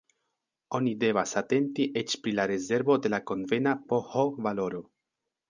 Oni devas atenti eĉ pri la rezervo de la konvena pH-valoro.